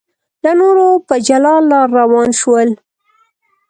له نورو په جلا لار روان شول.